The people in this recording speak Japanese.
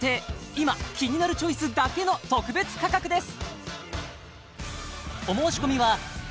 今「キニナルチョイス」だけの特別価格です！